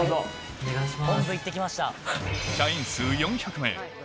お願いします。